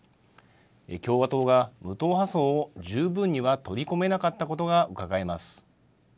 共和党が無党派層を十分には取り込めなかったことがうかがえます。